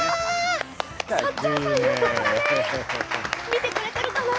見てくれてるかな？